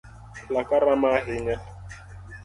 Laka rama ahinya